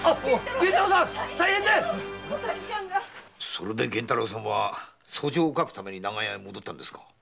それで源太郎さんは訴状を書きに長屋へ戻ったんですかい？